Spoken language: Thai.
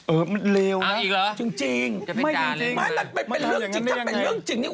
เออมันเลวนะจริงไม่เป็นเรื่องจริงถ้าเป็นเรื่องจริงนี่อุปะ